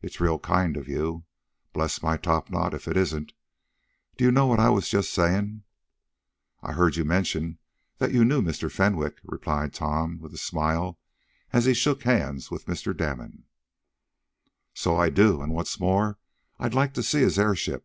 It's real kind of you. Bless my topknot if it isn't! Do you know what I was just saying?" "I heard you mention that you knew Mr. Fenwick," replied Tom, with a smile, as he shook hands with Mr. Damon. "So I do, and, what's more, I'd like to see his airship.